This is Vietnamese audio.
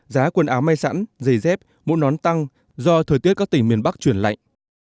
giá quần áo may sẵn dày dép mũ nón tăng do thời tiết các tỉnh miền bắc chuyển lạnh